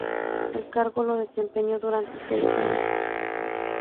El cargo lo desempeñó durante seis años.